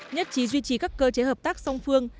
nhất trí duy trì các cơ chế hợp tác song phương